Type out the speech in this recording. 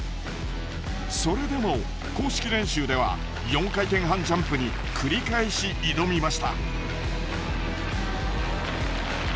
それでも公式練習では４回転半ジャンプに繰り返し挑みました。